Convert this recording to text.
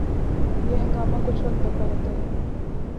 یہ ہنگامہ کچھ وقت برپا رہتا ہے۔